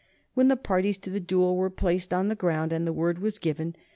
When the parties to the duel were placed on the ground and the word was given.